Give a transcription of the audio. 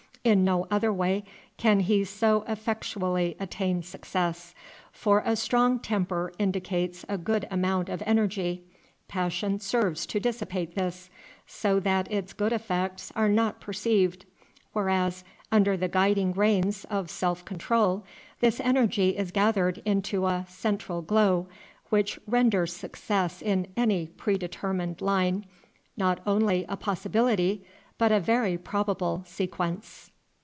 In no other way can he so effectually attain success, for a strong temper indicates a good amount of energy; passion serves to dissipate this, so that its good effects are not perceived; whereas, under the guiding reins of self control, this energy is gathered into a "central glow," which renders success in any predetermined line not only a possibility but a very probable sequence.